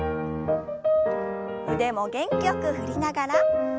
腕も元気よく振りながら。